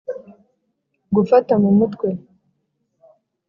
gufata mu mutwe